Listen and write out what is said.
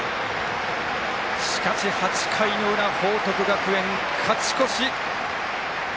しかし、８回の裏、報徳学園勝ち越し。